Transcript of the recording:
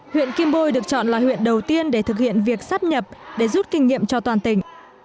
huyện kim bôi được chọn là huyện đầu tiên để thực hiện việc sắp nhập để rút kinh nghiệm cho toàn tỉnh